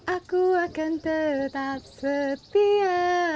aku akan tetap setia